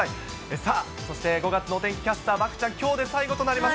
さあそして、５月のお天気キャスター、漠ちゃん、きょうで最後となります。